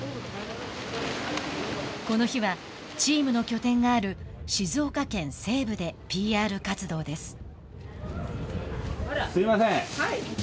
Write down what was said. この日は、チームの拠点がある静岡県西部でＰＲ活動です。